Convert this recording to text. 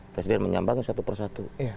presiden menyambangi satu persatu